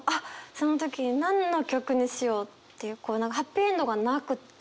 その時に何の曲にしようっていうハッピーエンドがなくって。